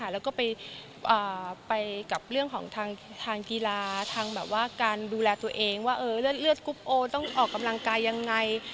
แล้วก็ไปกับเรื่องของทางกีฬาทางแบบว่าการดูแลตัวเองว่าเลือดกรุ๊ปโอต้องออกกำลังกายยังไง